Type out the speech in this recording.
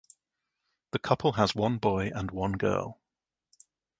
The couple has one boy and one girl.